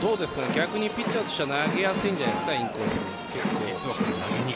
逆にピッチャーとしては投げやすいんじゃないですかインコースに。